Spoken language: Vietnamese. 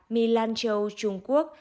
mi lan châu trung quốc